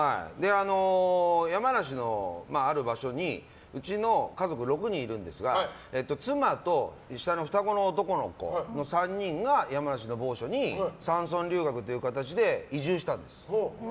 山梨のある場所にうちの家族６人いるんですが妻と下の双子の男の子の３人が山梨の某所に山村留学という形で移住したんです。